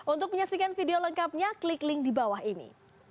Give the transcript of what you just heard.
untuk menyaksikan video lengkapnya klik link di bawah ini